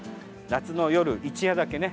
夏の夜、一夜だけね。